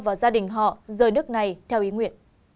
và gia đình họ rời nước này theo ý nguyện